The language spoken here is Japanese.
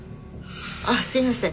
あっすいません。